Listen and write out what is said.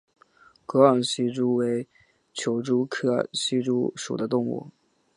沟岸希蛛为球蛛科希蛛属的动物。